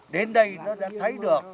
đến đây nó đã thấy được